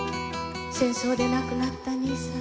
「戦争でなくなった兄さん